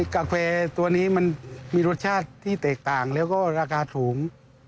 กาแฟตัวนี้มันมีรสชาติที่แตกต่างแล้วก็ราคาถูก